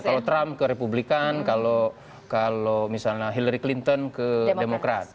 kalau trump ke republikan kalau misalnya hillary clinton ke demokrat